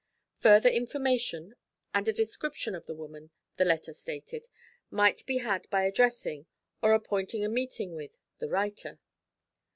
Further information and a description of the woman, the letter stated, might be had by addressing, or appointing a meeting with, the writer.